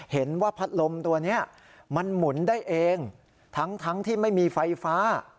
เห็นว่าพัดลมตัวนี้มันหมุนได้เองทั้งที่ไม่มีไฟฟ้า